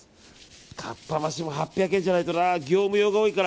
合羽橋も８００円じゃないとな業務用が多いから。